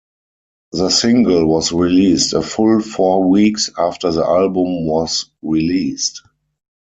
The single was released a full four weeks after the album was released.